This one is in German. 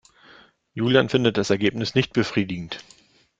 Julian findet das Ergebnis nicht befriedigend.